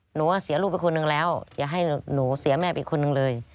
หนูว่าเสียลูกไปคนหนึ่งแล้วอย่าให้หนูเสียแม่ไปคนหนึ่งเลย